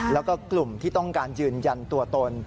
แล้วก็กลุ่มที่ต้องการยืนยันตัวตน